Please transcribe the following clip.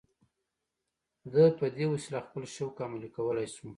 ده په دې وسیله خپل شوق عملي کولای شو